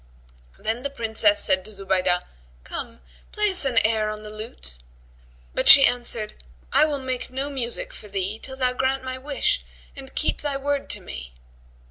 Then the Princess said to Zubaydah, "Come, play us an air on the lute." But she answered, "I will make no music for thee, till thou grant my wish and keep thy word to me."